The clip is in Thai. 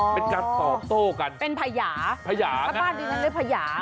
อ๋อเป็นการตอบโต้กันเป็นพญาพญานะพระบาทดินั่นเรียกพญา